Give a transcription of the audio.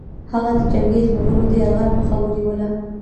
هغه د چنګېزي مغولو د یرغل مخه ونیوله.